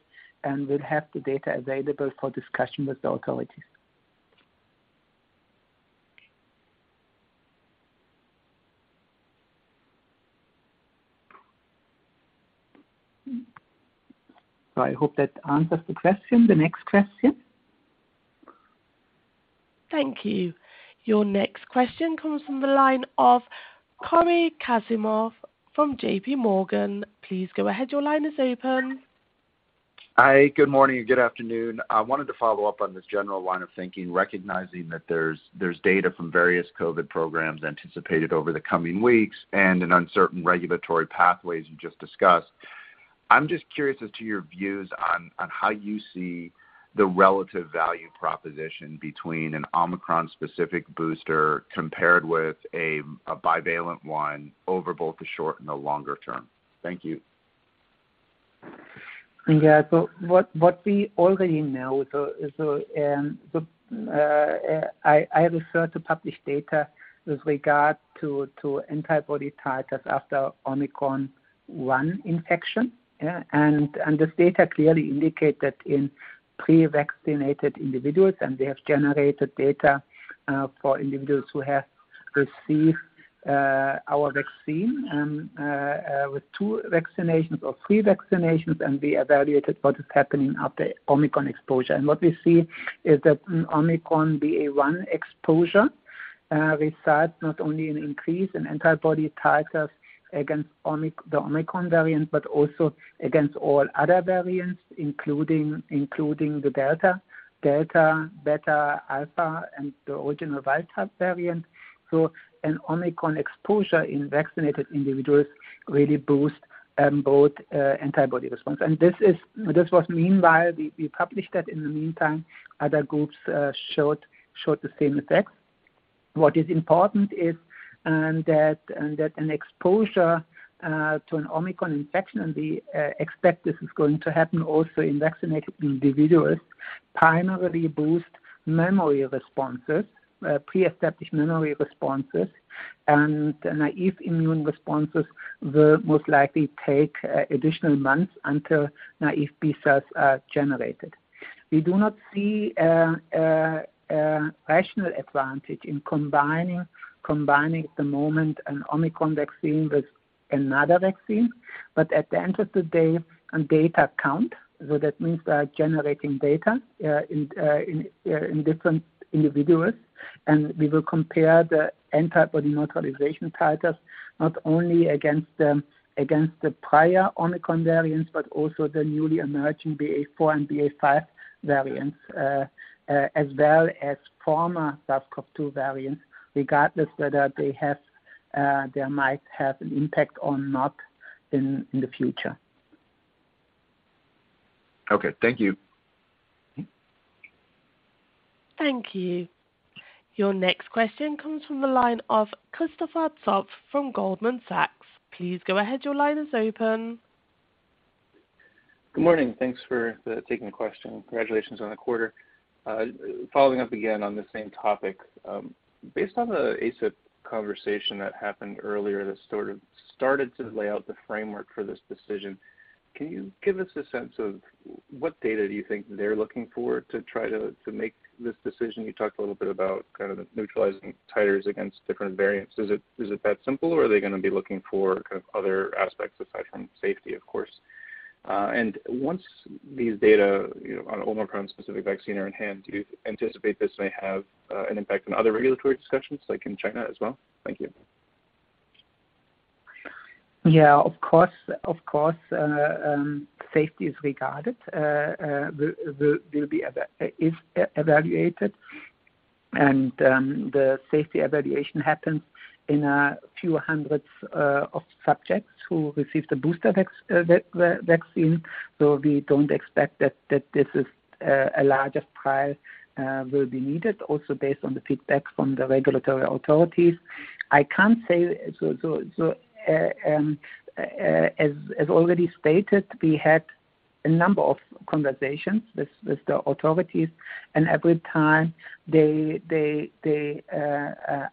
and we'll have the data available for discussion with the authorities. I hope that answers the question. The next question. Thank you. Your next question comes from the line of Cory Kasimov from JPMorgan. Please go ahead. Your line is open. Hi, good morning and good afternoon. I wanted to follow up on this general line of thinking, recognizing that there's data from various COVID programs anticipated over the coming weeks and an uncertain regulatory pathways you just discussed. I'm just curious as to your views on how you see the relative value proposition between an Omicron-specific booster compared with a bivalent one over both the short and the longer term. Thank you. Yeah. What we already know, I refer to published data with regard to antibody titers after Omicron one infection, yeah. This data clearly indicate that in pre-vaccinated individuals, they have generated data for individuals who have received our vaccine with two vaccinations or three vaccinations, and we evaluated what is happening after Omicron exposure. What we see is that an Omicron BA.1 exposure results not only an increase in antibody titers against the Omicron variant, but also against all other variants, including the Delta, Beta, Alpha and the original Wild-Type variant. An Omicron exposure in vaccinated individuals really boost both antibody response. This was meanwhile, we published that. In the meantime, other groups showed the same effects. What is important is that an exposure to an Omicron infection, and we expect this is going to happen also in vaccinated individuals, primarily boost memory responses, pre-established memory responses. Naive immune responses will most likely take additional months until naive B cells are generated. We do not see a rational advantage in combining at the moment an Omicron vaccine with another vaccine. At the end of the day, data count. That means we are generating data in different individuals, and we will compare the antibody neutralization titers not only against the prior Omicron variants, but also the newly emerging BA.4 and BA.5 variants, as well as former SARS-CoV-2 variants, regardless whether they might have an impact or not in the future. Okay. Thank you. Thank you. Your next question comes from the line of Christopher Zopf from Goldman Sachs. Please go ahead. Your line is open. Good morning. Thanks for taking the question. Congratulations on the quarter. Following up again on the same topic. Based on the ACIP conversation that happened earlier that sort of started to lay out the framework for this decision. Can you give us a sense of what data do you think they're looking for to try to make this decision? You talked a little bit about kind of the neutralizing titers against different variants. Is it that simple, or are they gonna be looking for kind of other aspects aside from safety, of course? Once these data, you know, on Omicron-specific vaccine are in hand, do you anticipate this may have an impact on other regulatory discussions, like, in China as well? Thank you. Yes, of course. Safety is evaluated. The safety evaluation happens in a few hundreds of subjects who receive the booster vaccine. We don't expect that a larger trial will be needed also based on the feedback from the regulatory authorities. As already stated, we had a number of conversations with the authorities, and every time they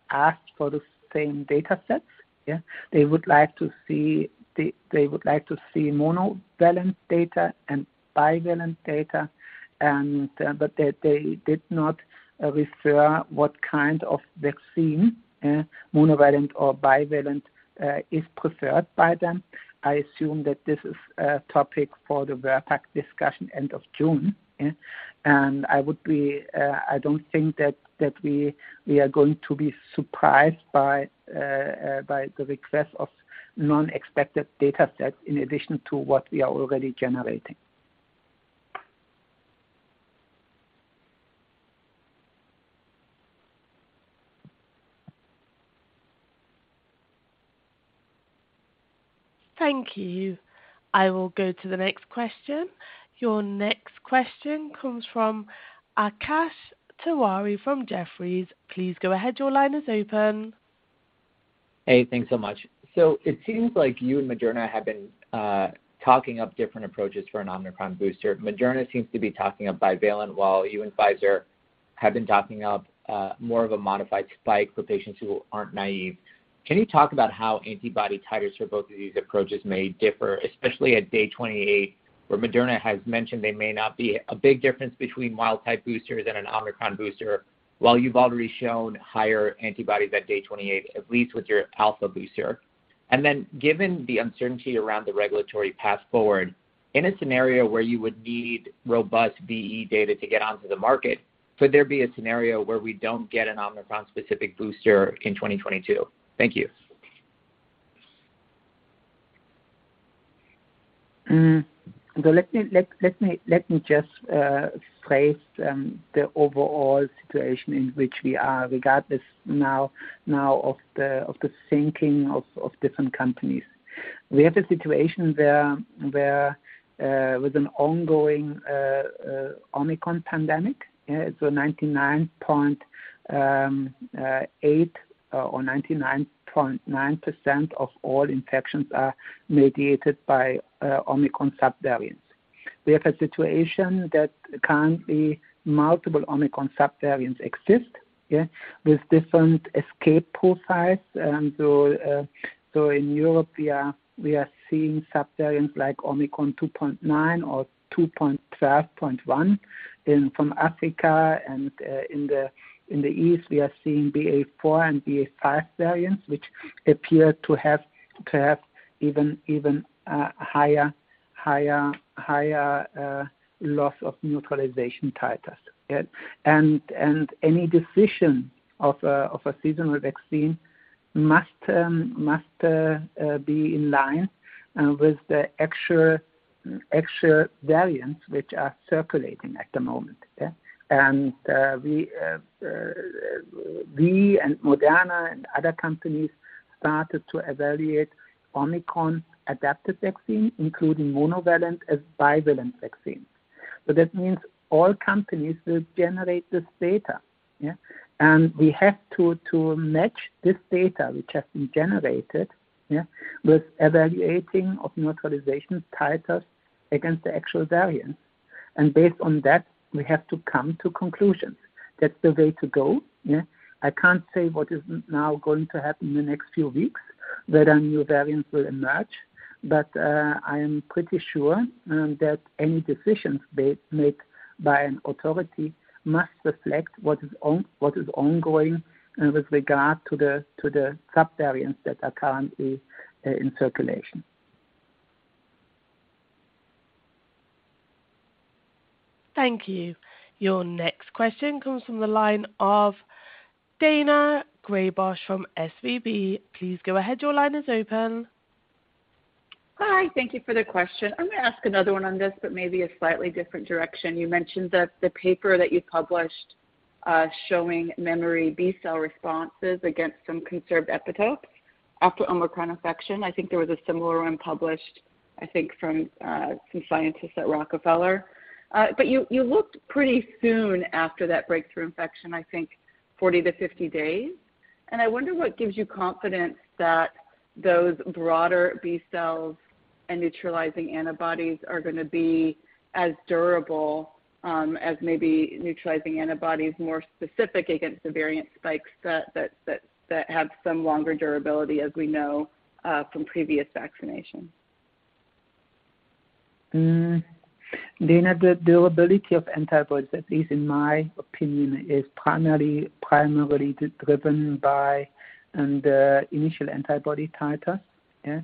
asked for the same data sets. They would like to see monovalent data and bivalent data, but they did not refer what kind of vaccine, monovalent or bivalent, is preferred by them. I assume that this is a topic for the VRBPAC discussion end of June, yeah. I don't think that we are going to be surprised by the request for unexpected data set in addition to what we are already generating. Thank you. I will go to the next question. Your next question comes from Akash Tewari from Jefferies. Please go ahead. Your line is open. Hey, thanks so much. So it seems like you and Moderna have been talking up different approaches for an Omicron booster. Moderna seems to be talking up bivalent while you and Pfizer have been talking up more of a modified spike for patients who aren't naive. Can you talk about how antibody titers for both of these approaches may differ, especially at day 28, where Moderna has mentioned there may not be a big difference between wild-type boosters and an Omicron booster, while you've already shown higher antibodies at day 28, at least with your Alpha booster? Given the uncertainty around the regulatory path forward, in a scenario where you would need robust BE data to get onto the market, could there be a scenario where we don't get an Omicron-specific booster in 2022? Thank you. Let me just phrase the overall situation in which we are regardless now of the thinking of different companies. We have a situation with an ongoing Omicron pandemic. 99.8% or 99.9% of all infections are mediated by Omicron subvariants. We have a situation that currently multiple Omicron subvariants exist with different escape profiles. In Europe we are seeing subvariants like Omicron 2.9 or 2.12.1. From Africa in the East, we are seeing BA.4 and BA.5 variants, which appear to have even higher loss of neutralization titers. Any decision of a seasonal vaccine must be in line with the actual variants which are circulating at the moment. Yeah. We and Moderna and other companies started to evaluate Omicron adapted vaccine, including monovalent as bivalent vaccine. That means all companies will generate this data. Yeah. We have to match this data which has been generated with evaluating of neutralization titers against the actual variants. Based on that, we have to come to conclusions. That's the way to go. Yeah. I can't say what is now going to happen in the next few weeks, whether new variants will emerge. I am pretty sure that any decisions made by an authority must reflect what is ongoing with regard to the subvariants that are currently in circulation. Thank you. Your next question comes from the line of Daina Graybosch from SVB. Please go ahead. Your line is open. Hi. Thank you for the question. I'm gonna ask another one on this, but maybe a slightly different direction. You mentioned that the paper that you published, showing memory B cell responses against some conserved epitopes after Omicron infection. I think there was a similar one published, I think, from some scientists at Rockefeller. But you looked pretty soon after that breakthrough infection, I think 40-50 days. I wonder what gives you confidence that those broader B cells and neutralizing antibodies are gonna be as durable, as maybe neutralizing antibodies more specific against the variant spikes that have some longer durability as we know, from previous vaccinations? Daina, the ability of antibodies, at least in my opinion, is primarily driven by the initial antibody titer. Yeah.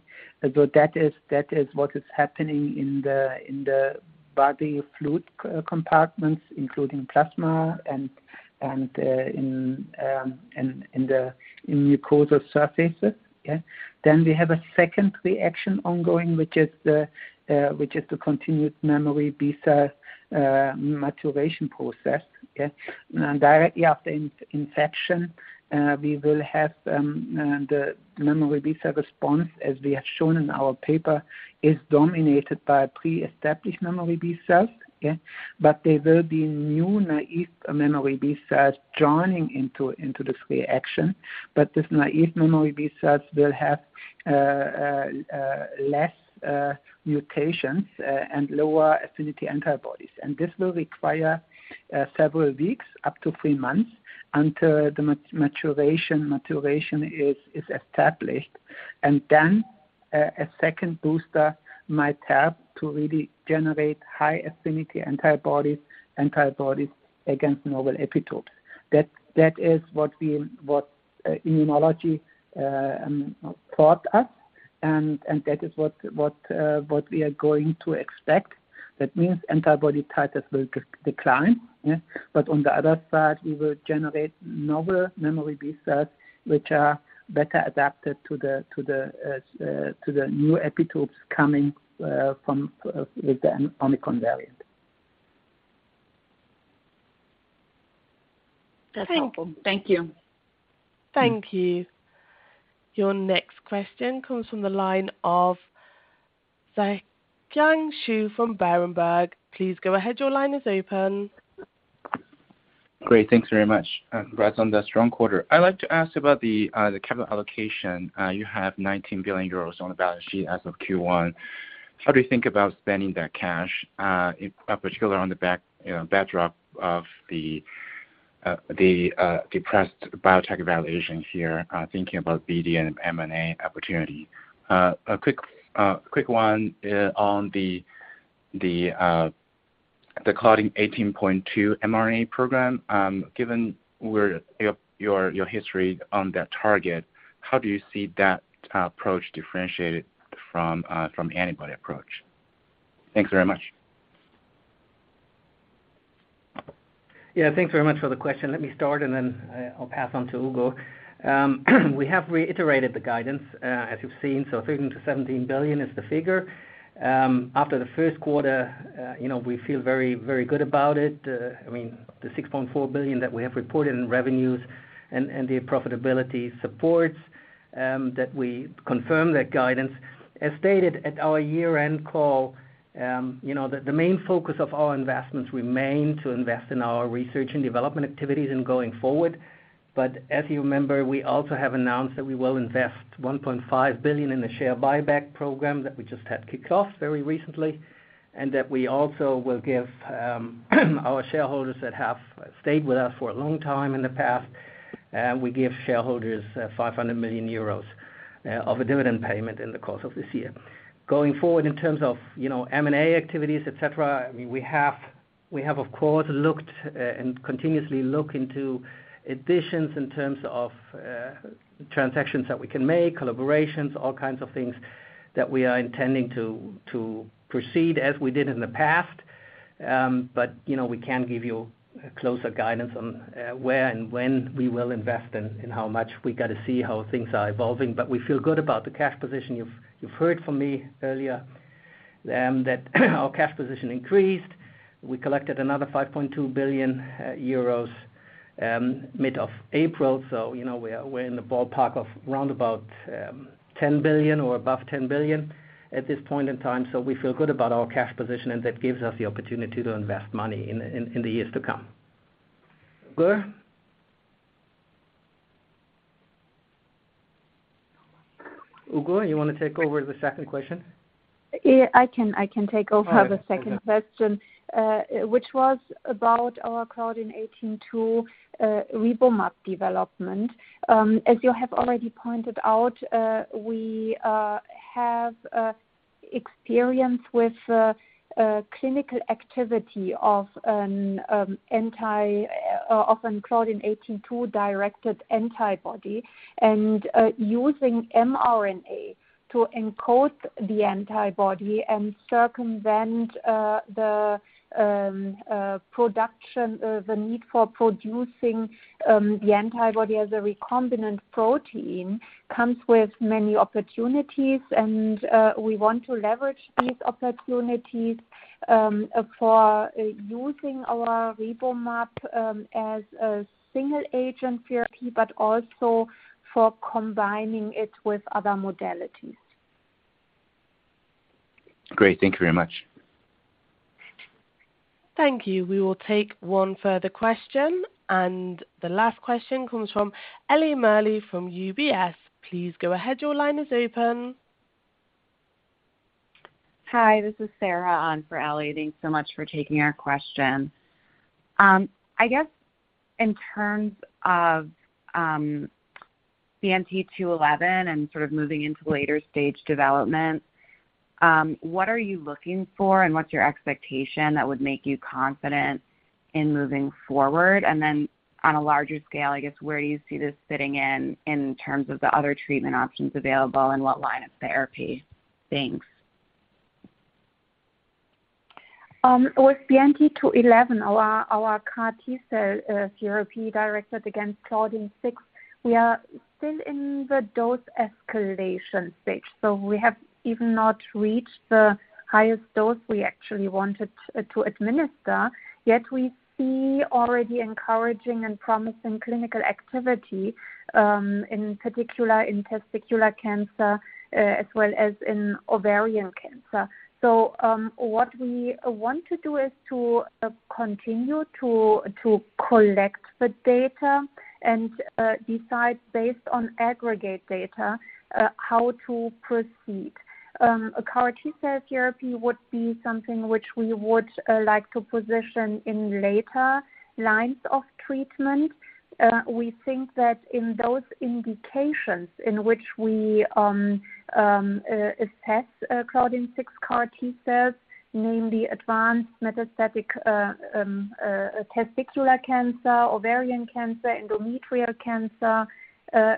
So that is what is happening in the body fluid compartments, including plasma and in the mucosal surfaces. Yeah. Then we have a second reaction ongoing, which is the continued memory B cell maturation process. Yeah. Directly after infection, we will have the memory B cell response, as we have shown in our paper, is dominated by pre-established memory B cells. Yeah. But there will be new naive memory B cells joining into this reaction. But these naive memory B cells will have less mutations and lower affinity antibodies. This will require several weeks up to three months until the maturation is established. Then a second booster might help to really generate high affinity antibodies against novel epitopes. That is what immunology taught us. That is what we are going to expect. That means antibody titers will decline. Yeah. On the other side, we will generate novel memory B cells, which are better adapted to the new epitopes coming from with the Omicron variant. That's helpful. Thank you. Thank you. Your next question comes from the line of Zhiqiang Shu from Berenberg. Please go ahead. Your line is open. Great. Thanks very much. Congrats on that strong quarter. I'd like to ask about the capital allocation. You have 19 billion euros on the balance sheet as of Q1. How do you think about spending that cash, in particular on the backdrop of the depressed biotech valuation here, thinking about BD and M&A opportunity? A quick one on the Claudin-18.2 mRNA program. Given where your history on that target, how do you see that approach differentiated from antibody approach? Thanks very much. Yeah, thanks very much for the question. Let me start and then I'll pass on to Ugur. We have reiterated the guidance, as you've seen. 13 billion-17 billion is the figure. After the first quarter, you know, we feel very, very good about it. I mean, the 6.4 billion that we have reported in revenues, and the profitability supports that we confirm that guidance. As stated at our year-end call, you know, the main focus of our investments remain to invest in our research and development activities and going forward. As you remember, we also have announced that we will invest 1.5 billion in the share buyback program that we just had kicked off very recently, and that we also will give our shareholders that have stayed with us for a long time in the past. We give shareholders 500 million euros of a dividend payment in the course of this year. Going forward, in terms of, you know, M&A activities, et cetera, I mean, we have of course looked and continuously look into additions in terms of transactions that we can make, collaborations, all kinds of things that we are intending to proceed as we did in the past. You know, we can give you closer guidance on where and when we will invest and how much we got to see how things are evolving. We feel good about the cash position. You've heard from me earlier that our cash position increased. We collected another 5.2 billion euros mid-April. You know, we are in the ballpark of round about 10 billion or above 10 billion at this point in time. We feel good about our cash position, and that gives us the opportunity to invest money in the years to come. Ugur? Ugur, you wanna take over the second question? I can take over the second question. All right. Which was about our Claudin-18.2 RiboMab development. As you have already pointed out, we have experience with clinical activity of an CLDN18.2 directed antibody and using mRNA to encode the antibody and circumvent the need for producing the antibody as a recombinant protein comes with many opportunities. We want to leverage these opportunities for using our RiboMab as a single agent therapy, but also for combining it with other modalities. Great. Thank you very much. Thank you. We will take one further question, and the last question comes from Ellie Merle from UBS. Please go ahead. Your line is open. Hi, this is Sarah on for Ellie. Thanks so much for taking our question. I guess in terms of, BNT211 and sort of moving into later stage development, what are you looking for and what's your expectation that would make you confident in moving forward? Then on a larger scale, I guess, where do you see this fitting in terms of the other treatment options available and what line of therapy? Thanks. With BNT211, our CAR T-cell therapy directed against Claudin-6, we are still in the dose escalation stage, so we have not even reached the highest dose we actually wanted to administer. Yet, we see already encouraging and promising clinical activity, in particular in testicular cancer, as well as in ovarian cancer. What we want to do is to continue to collect the data and decide based on aggregate data how to proceed. A CAR T-cell therapy would be something which we would like to position in later lines of treatment. We think that in those indications in which we assess Claudin-6 CAR T-cells, namely advanced metastatic testicular cancer, ovarian cancer, endometrial cancer,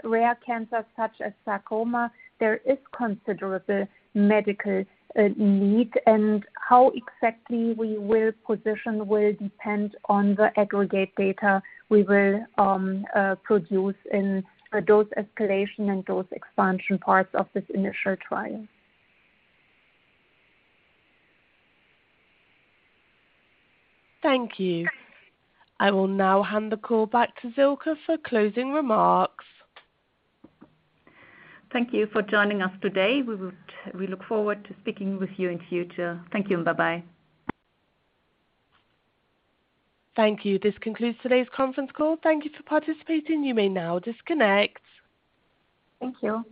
rare cancer such as sarcoma, there is considerable medical need. How exactly we will position will depend on the aggregate data we will produce in the dose escalation and dose expansion parts of this initial trial. Thank you. I will now hand the call back to Sylke for closing remarks. Thank you for joining us today. We look forward to speaking with you in future. Thank you and bye-bye. Thank you. This concludes today's conference call. Thank you for participating. You may now disconnect. Thank you.